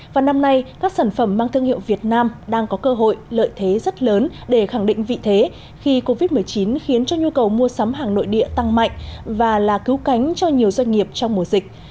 và năm nay các sản phẩm mang thương hiệu việt nam đang có cơ hội lợi thế rất lớn để khẳng định vị thế khi covid một mươi chín khiến cho nhu cầu mua sắm hàng nội địa tăng mạnh và là cứu cánh cho nhiều doanh nghiệp trong mùa dịch